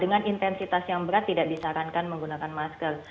dengan intensitas yang berat tidak disarankan menggunakan masker